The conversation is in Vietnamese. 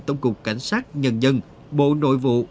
tổng cục cảnh sát nhân dân bộ nội vụ